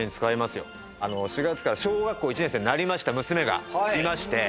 ４月から小学校１年生になりました娘がいまして。